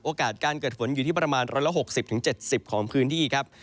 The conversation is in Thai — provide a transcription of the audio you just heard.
การเกิดฝนอยู่ที่ประมาณ๑๖๐๗๐ของพื้นที่ครับ